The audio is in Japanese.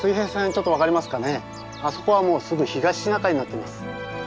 あそこはもうすぐ東シナ海になってます。